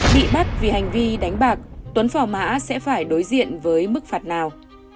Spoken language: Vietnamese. bị bắt vì hành vi đánh bạc tuấn phò mã sẽ phải đối diện với mức phạt nào